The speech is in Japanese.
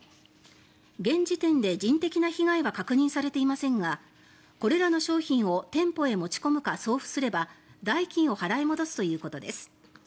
現時点で人的な被害は確認されていませんがこれらの商品を店舗へ持ち込むか送付すれば代金を払い戻すということです。